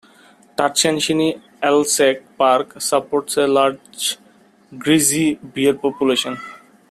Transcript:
Tatshenshini-Alsek Park supports a large grizzly bear population.